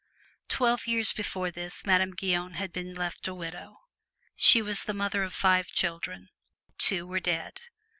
Twelve years before this Madame Guyon had been left a widow. She was the mother of five children two were dead.